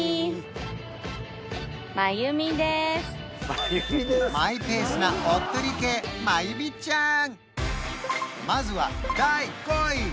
今回マイペースなおっとり系まゆみちゃん